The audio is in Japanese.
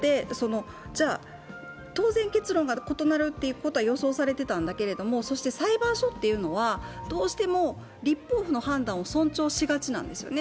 当然結論が異なることは予想されていたんだけれどもそして裁判所というのは、どうしても立法府の判断を尊重しがちなんですよね。